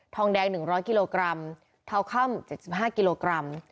ทองแดงหนึ่งร้อยกิโลกรัมเทาค่ำเจ็ดสิบห้ากิโลกรัม